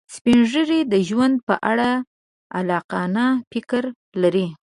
سپین ږیری د ژوند په اړه عاقلانه فکر لري